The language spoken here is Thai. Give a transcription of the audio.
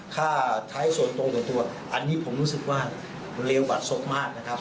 ค่าท้ายส่วนตัวอันนี้ผมรู้สึกว่าเรียวบาดสกมากนะครับ